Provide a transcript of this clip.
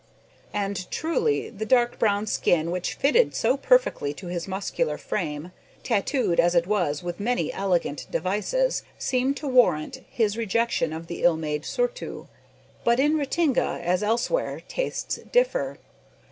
And truly, the dark brown skin which fitted so perfectly to his muscular frame tattooed as it was with many elegant devices seemed to warrant his rejection of the ill made surtout. But in Ratinga, as elsewhere, tastes differ.